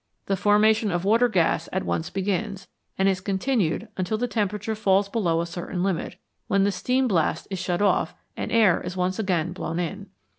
The formation of water gas at once begins, and is con tinued until the temperature falls below a certain limit, when the steam blast is shut off and air is once again blown in.